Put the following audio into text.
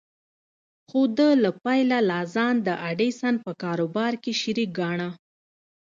خو ده له پيله لا ځان د ايډېسن په کاروبار کې شريک ګاڼه.